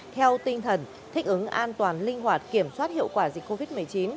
theo tinh thần thích ứng an toàn linh hoạt kiểm soát hiệu quả dịch covid một mươi chín